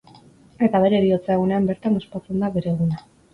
Eta bere heriotza egunean bertan ospatzen da bere eguna.